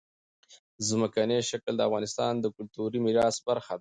ځمکنی شکل د افغانستان د کلتوري میراث برخه ده.